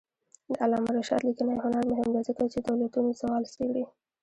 د علامه رشاد لیکنی هنر مهم دی ځکه چې دولتونو زوال څېړي.